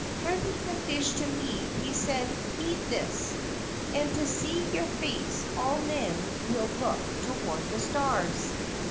Handing the fish to me, he said: 'Eat this, and to see your face all men will look toward the stars.'